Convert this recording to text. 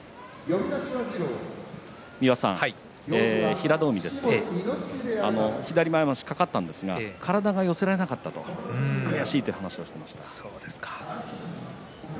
平戸海ですが左前まわしが掛かったんですが体が寄せられなかった悔しいという話をしていました。